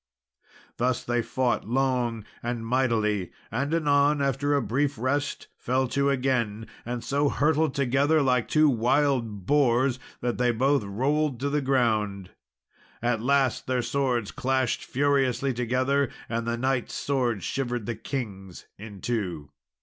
Thus they fought long and mightily, and anon, after brief rest fell to again, and so hurtled together like two wild boars that they both rolled to the ground. At last their swords clashed furiously together, and the knight's sword shivered the king's in two.